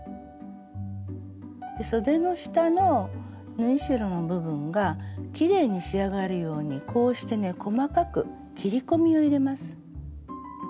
そでの下の縫い代の部分がきれいに仕上がるようにこうしてね細かく切り込みを入れます。